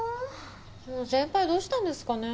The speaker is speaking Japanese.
先輩どうしたんですかね？